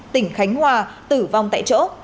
tỉnh khánh hòa tử vong tại chỗ